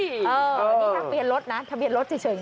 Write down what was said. นี่ทางทะเบียนรถนะทะเบียนรถเฉยนะ